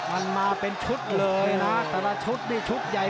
มันมาเป็นชุดเลยนะแต่ละชุดนี่ชุดใหญ่